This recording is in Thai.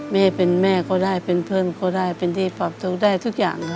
แม่เป็นแม่ก็ได้เป็นเพื่อนก็ได้เป็นที่ปรับทุกข์ได้ทุกอย่างค่ะ